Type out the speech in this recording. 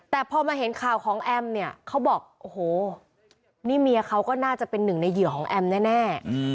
แต่พอมาเห็นข่าวของแอมเนี่ยเขาบอกโอ้โหนี่เมียเขาก็น่าจะเป็นหนึ่งในเหยื่อของแอมแน่